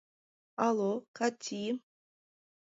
Алло, Кати!